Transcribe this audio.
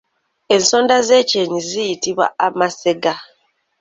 Ensonda z’ekyenyi ziyitibwa amasega.